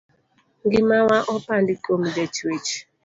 Ngimana opandi kuom jachuech.